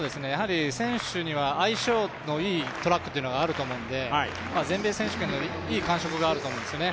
選手には相性のいいトラックというものがあると思うので、全米選手権でのいい感触があると思うんですね。